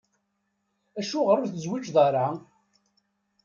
Acuɣer ur tezwiǧeḍ ara?